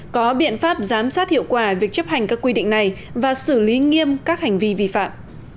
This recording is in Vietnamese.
có biện pháp giám sát hiệu quả việc chấp hành các quy định này và xử lý nghiêm các hành vi vi phạm